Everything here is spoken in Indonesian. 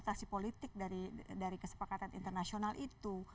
kalau sudah interpretasi politik dari kesepakatan internasional itu